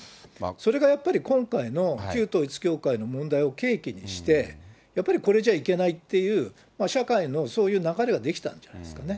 それがやっぱり今回の旧統一教会の問題を契機にして、やっぱりこれじゃいけないっていう、社会のそういう流れは出来たんじゃないですかね。